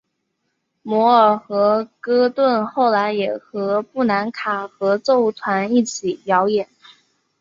摩尔和戈顿后来也和布兰卡合奏团一起表演。